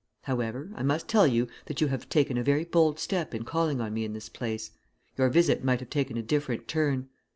However, I must tell you that you have taken a very bold step in calling on me in this place. Your visit might have taken a different turn.